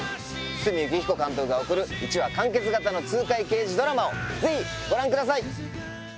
堤幸彦監督が送る一話完結型の痛快刑事ドラマをぜひご覧ください！